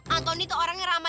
antoni tuh orang yang ramah